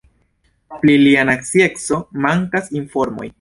Pri lia nacieco mankas informoj.